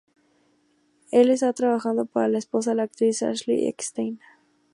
Él está trabajando para su esposa, la actriz Ashley Eckstein.